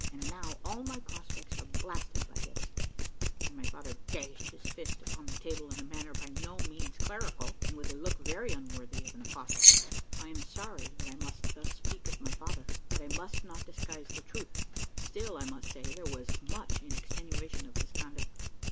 And now all my prospects are blasted by this " and my father dashed his fist upon the table in a manner by no means clerical, and with a look very unworthy of an apostle. I am sorry that I must thus speak of my father, but I must not disguise the truth. Still, I must say, there was much in extenuation of his conduct.